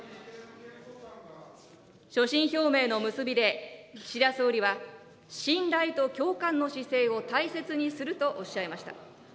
所信表明の結びで、岸田総理は、信頼と共感の姿勢を大切にするとおっしゃいました。